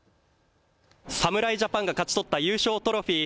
侍ジャパンが勝ち取った優勝トロフィー。